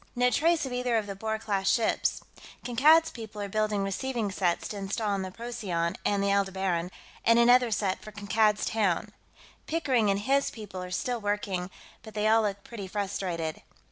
No trace of either of the Boer class ships. Kankad's people are building receiving sets to install on the Procyon and the Aldebaran, and another set for Kankad's Town. Pickering and his people are still working, but they all look pretty frustrated.